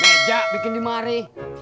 meja bikin dimari